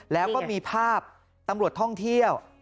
แล้วก็มีภาพตำรวจท่องเที่ยว